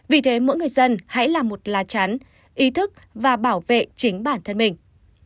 vì thế mỗi người dân hãy làm một lá chán ý thức và bảo vệ chính bản thân mình